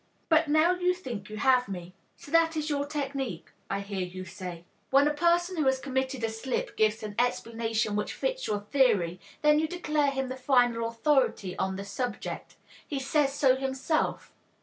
But now you think you have me. "So that is your technique," I hear you say. "When the person who has committed a slip gives an explanation which fits your theory, then you declare him the final authority on the subject. 'He says so himself!'